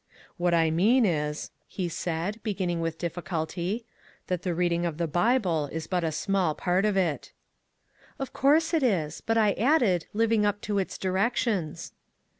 " What I mean is," he said, beginning with difficulty, " that the reading of the Bible is but a small part of it." " Of course it is ; but I added, living up to its directions."